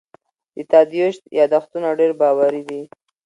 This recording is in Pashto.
د تادیوش یادښتونه ډېر باوري دي.